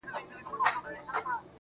زه يې د ميني په چل څنگه پوه كړم.